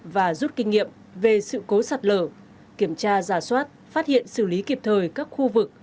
và rút kinh nghiệm về sự cố sạt lở kiểm tra giả soát phát hiện xử lý kịp thời các khu vực